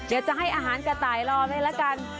เดี๋ยวจะให้อาหารกระต่ายรอเลยละกัน